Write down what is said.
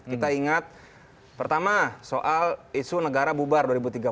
kita ingat pertama soal isu negara bubar dua ribu tiga belas